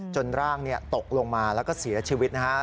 ร่างตกลงมาแล้วก็เสียชีวิตนะฮะ